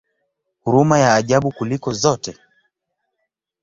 Huruma ya ajabu kuliko zote!